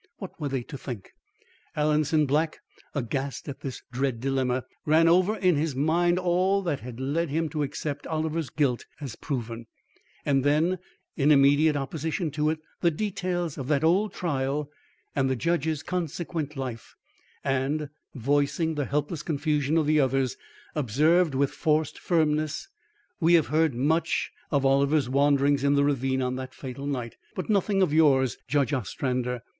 What were they to think! Alanson Black, aghast at this dread dilemma, ran over in his mind all that had led him to accept Oliver's guilt as proven, and then, in immediate opposition to it, the details of that old trial and the judge's consequent life; and, voicing the helpless confusion of the others, observed with forced firmness: "We have heard much of Oliver's wanderings in the ravine on that fatal night, but nothing of yours, Judge Ostrander.